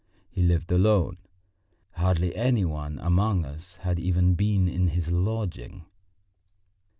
He lived alone. Hardly any one among us had ever been in his lodging.